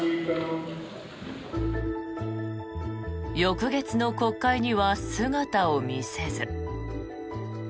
翌月の国会には姿を見せず。